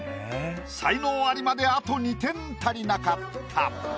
才能アリまであと２点足りなかった。